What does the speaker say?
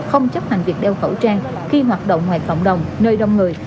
không chấp hành việc đeo khẩu trang khi hoạt động ngoài cộng đồng nơi đông người